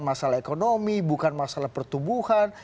masalah ekonomi bukan masalah pertumbuhan